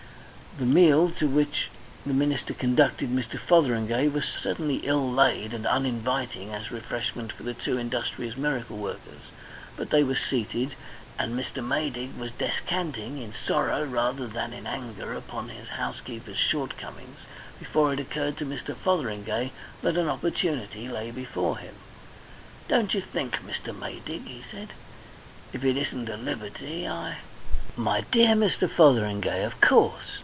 The meal to which the minister conducted Mr. Fotheringay was certainly ill laid and uninviting as refreshment for two industrious miracle workers; but they were seated, and Mr. Maydig was descanting in sorrow rather than in anger upon his housekeeper's shortcomings, before it occurred to Mr. Fotheringay that an opportunity lay before him. "Don't you think, Mr. Maydig," he said, "if it isn't a liberty, I " "My dear Mr. Fotheringay! Of course!